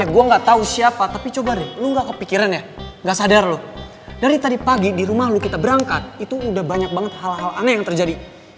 gue gak tau siapa tapi coba deh lu gak kepikiran ya nggak sadar loh dari tadi pagi di rumah lo kita berangkat itu udah banyak banget hal hal aneh yang terjadi